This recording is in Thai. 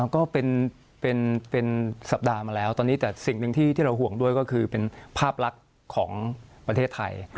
ก็เป็นสัปดาห์มาแล้วตอนนี้แต่สิ่งหนึ่งที่เราห่วงด้วยก็คือเป็นภาพลักษณ์ของประเทศไทย